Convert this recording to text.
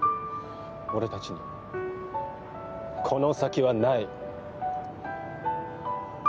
俺たちに、この先はない。